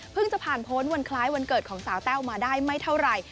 จะผ่านพ้นวันคล้ายวันเกิดของสาวแต้วมาได้ไม่เท่าไหร่